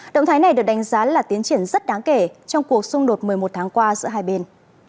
động thái này được đánh giá là tiến triển rất đáng kể trong cuộc xung đột một mươi một tháng qua giữa hai bên